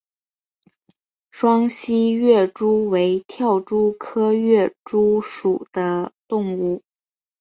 双栖跃蛛为跳蛛科跃蛛属的动物。